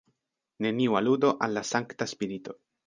Neniu aludo al la Sankta Spirito.